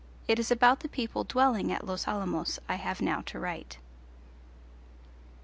It is about the people dwelling at Los Alamos I have now to write.